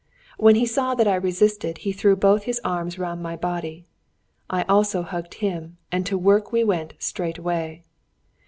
When he saw that I resisted, he threw both his arms round my body. I also hugged him, and to work we went straightway.